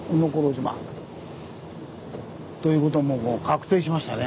島ということももう確定しましたね。